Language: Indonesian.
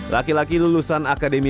laki laki lulusan akademik